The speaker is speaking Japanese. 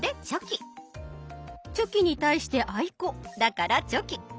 チョキに対してあいこだからチョキ。